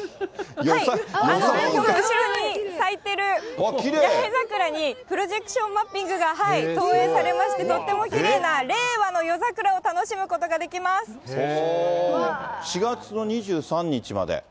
後ろに咲いてる八重桜にプロジェクションマッピングが投影されまして、とってもとってもきれいな令和の夜桜を楽しむことができま４月の２３日まで。